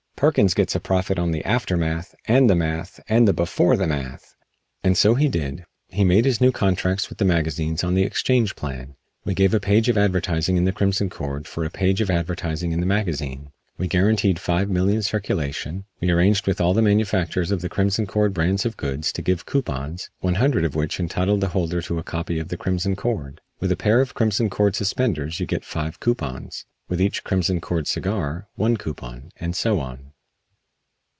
Perkins gets a profit on the aftermath and the math and the before the math." And so he did. He made his new contracts with the magazines on the exchange plan we gave a page of advertising in the "Crimson Cord" for a page of advertising in the magazine. We guaranteed five million circulation. We arranged with all the manufacturers of the Crimson Cord brands of goods to give coupons, one hundred of which entitled the holder to a copy of "The Crimson Cord." With a pair of Crimson Cord suspenders you get five coupons; with each Crimson Cord cigar, one coupon; and so on.